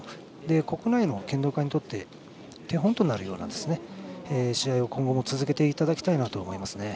国内の剣道家にとって手本となるような試合を今後も続けていただきたいなと思います。